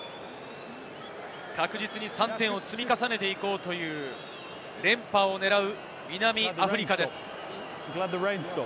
確実に３点を積み重ねていこうという、連覇を狙う南アフリカです。